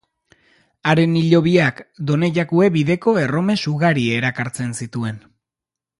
Haren hilobiak Donejakue bideko erromes ugari erakartzen zituen.